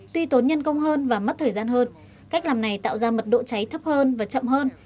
tuy tốn nhân công hơn và mất thời gian hơn cách làm này tạo ra mật độ cháy thấp hơn và chậm hơn